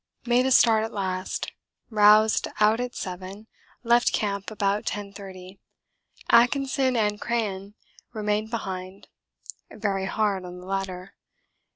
Made a start at last. Roused out at 7, left camp about 10.30. Atkinson and Crean remained behind very hard on the latter.